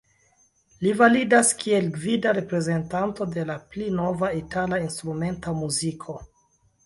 Li validas kiel gvida reprezentanto de la pli nova itala instrumenta muziko.